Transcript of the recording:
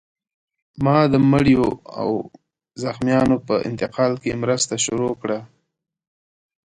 ما د مړیو او زخمیانو په انتقال کې مرسته شروع کړه